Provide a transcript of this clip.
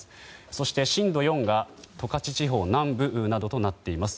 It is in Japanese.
そして、震度４が十勝地方南部などとなっています。